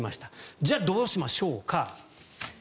じゃあ、どうしましょうか。